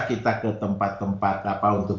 kita ke tempat tempat apa untuk